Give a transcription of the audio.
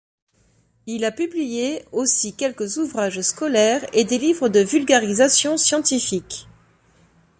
Il a publié aussi quelques ouvrages scolaires et des livres de vulgarisation scientifique.